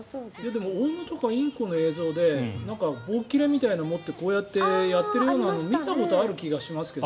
でもオウムとかインコの映像で棒切れみたいなのを持ってこうやってやってるようなの見たことある気がしますけど。